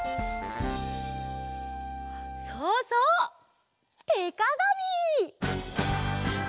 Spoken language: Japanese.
そうそう！てかがみ！